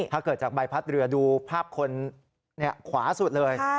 ถ้าเกิดจากใบพัดเรือดูภาพคนขวาสุดเลย